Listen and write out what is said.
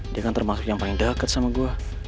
dia kan termasuk yang paling dekat sama gue